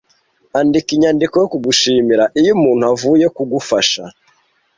Andika inyandiko yo kugushimira iyo umuntu avuye kugufasha.